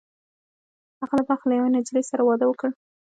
هغه د بلخ له یوې نجلۍ سره واده وکړ